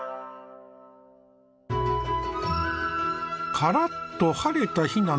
カラッと晴れた日なんだね。